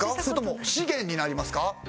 それとも資源になりますか？